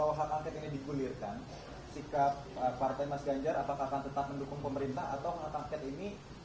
kalau hak angket ini digulirkan sikap partai mas ganjar apakah akan tetap mendukung pemerintah atau hak angket ini